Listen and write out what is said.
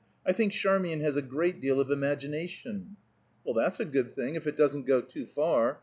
"I think Charmian has a great deal of imagination." "Well, that's a good thing, if it doesn't go too far.